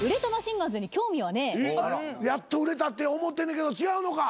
やっと売れたって思ってんねんけど違うのか？